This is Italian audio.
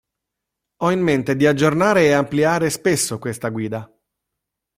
Ho in mente di aggiornare e ampliare spesso questa guida.